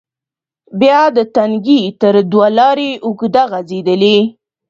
بیا د تنگي تر دوه لارې اوږده غزیدلې،